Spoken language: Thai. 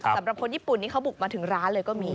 สำหรับคนญี่ปุ่นนี้เขาบุกมาถึงร้านเลยก็มี